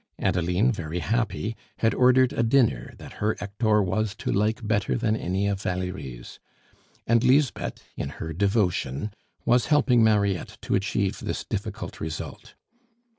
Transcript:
Adeline, very happy, had ordered a dinner that her Hector was to like better than any of Valerie's; and Lisbeth, in her devotion, was helping Mariette to achieve this difficult result.